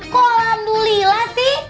kok alhamdulillah sih